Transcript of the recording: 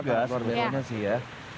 sangat luar biasa